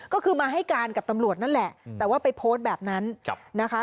ก็คือมาให้การกับตำรวจนั่นแหละแต่ว่าไปโพสต์แบบนั้นนะคะ